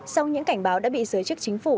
sau những cảnh báo đã bị giới chức chính phủ